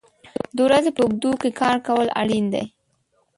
د ورځې په اوږدو کې کار کول اړین دي.